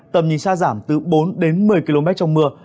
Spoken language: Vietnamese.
tầm nhìn xa giảm từ bốn đến một mươi km trong mưa